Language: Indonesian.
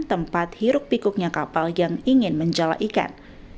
tempat hiruk pikuknya kapal yang ingin menjala ikan